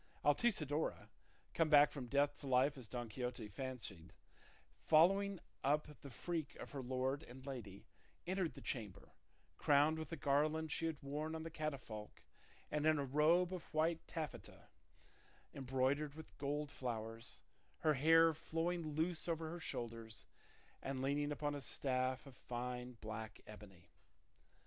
Altisidora, come back from death to life as Don Quixote fancied, following up the freak of her lord and lady, entered the chamber, crowned with the garland she had worn on the catafalque and in a robe of white taffeta embroidered with gold flowers, her hair flowing loose over her shoulders, and leaning upon a staff of fine black ebony.